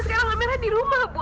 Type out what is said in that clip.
sekarang amira di rumah bu